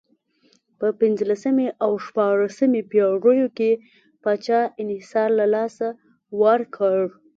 په پنځلسمې او شپاړسمې پېړیو کې پاچا انحصار له لاسه ورکړ.